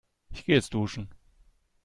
Ich gehe jetzt duschen.